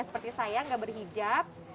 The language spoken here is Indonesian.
seperti saya gak berhijab